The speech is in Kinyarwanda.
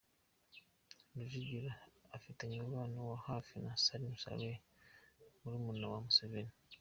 Rujugiro afitanye umubano wa hafi na Salim Saleh, murumuna wa Museveni.